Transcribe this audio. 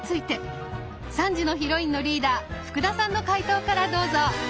３時のヒロインのリーダー福田さんの解答からどうぞ！